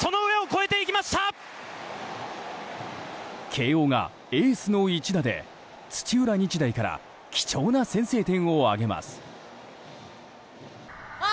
慶應がエースの一打で土浦日大から貴重な先制点を挙げます。